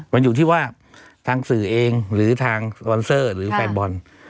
มันอยู่ที่ว่าทางสื่อเองหรือทางสปอนเซอร์หรือแฟนบอล